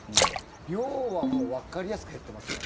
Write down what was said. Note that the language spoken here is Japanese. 量はもうわかりやすく減ってますね。